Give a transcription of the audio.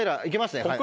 行けます。